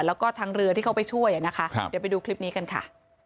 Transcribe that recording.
แล้วก็ทางเรือที่เขาไปช่วยนะคะเดี๋ยวไปดูคลิปนี้กันค่ะ